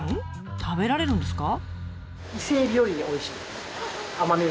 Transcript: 食べられるんですか？